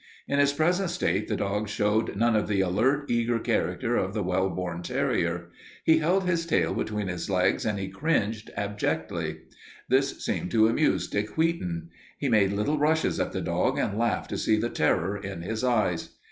In his present state the dog showed none of the alert, eager character of the well born terrier. He held his tail between his legs and he cringed abjectly. This seemed to amuse Dick Wheaton. He made little rushes at the dog and laughed to see the terror in his eyes.